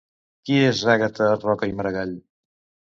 Qui és Àgata Roca i Maragall?